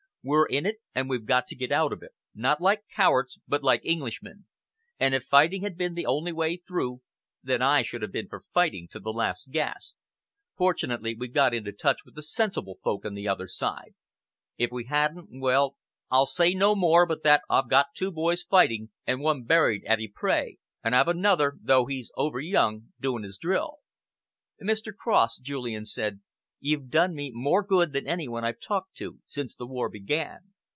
We're in it, and we've got to get out of it, not like cowards but like Englishmen, and if fighting had been the only way through, then I should have been for fighting to the last gasp. Fortunately, we've got into touch with the sensible folk on the other side. If we hadn't well, I'll say no more but that I've got two boys fighting and one buried at Ypres, and I've another, though he's over young, doing his drill." "Mr. Cross," Julian said, "you've done me more good than any one I've talked to since the war began."